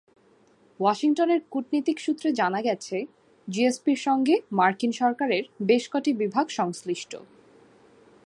ওয়াশিংটনের কূটনীতিক সূত্রে জানা গেছে, জিএসপির সঙ্গে মার্কিন সরকারের বেশ কটি বিভাগ সংশ্লিষ্ট।